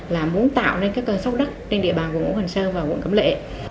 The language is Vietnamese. là muốn tạo nên các cơn sốc đất trên địa bàn quận hồn sơn và quận cấm lệ